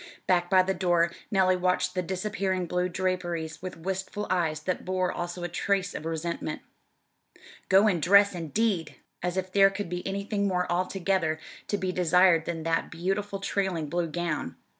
Back by the door Nellie watched the disappearing blue draperies with wistful eyes that bore also a trace of resentment. "Go and dress" indeed! As if there could be anything more altogether to be desired than that beautiful trailing blue gown!